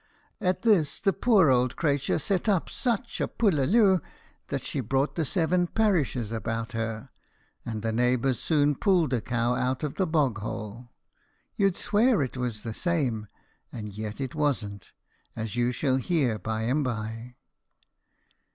At this the poor ould creathure set up such a pullallue that she brought the seven parishes about her; and the neighbours soon pulled the cow out of the bog hole. You'd swear it was the same, and yet it wasn't, as you shall hear by and by.